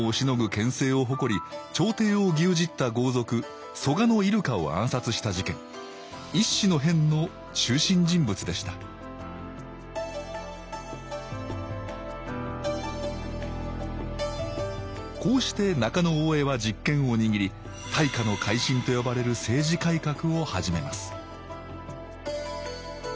権勢を誇り朝廷を牛耳った豪族蘇我入鹿を暗殺した事件乙巳の変の中心人物でしたこうして中大兄は実権を握り大化の改新と呼ばれる政治改革を始めます